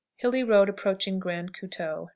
Hilly road approaching Grand Coteau.